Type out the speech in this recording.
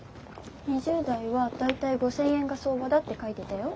２０代は大体５，０００円が相場だって書いてたよ。